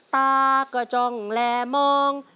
ตากระจ่องแหลมอง